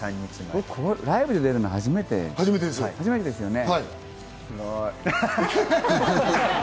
ライブで出るの初めてですよね。